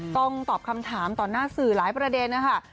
ต้องตอบคำถามต่อหน้าสื่อหลายประเด็นนะคะ